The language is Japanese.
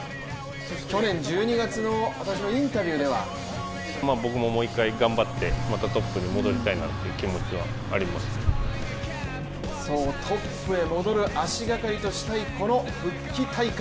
去年１２月の私のインタビューではトップへ戻る足がかりとしたいこの復帰大会。